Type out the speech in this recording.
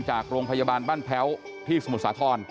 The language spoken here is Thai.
จากโรงพยาบาลบ้านแพ้วที่สมุทรสาคร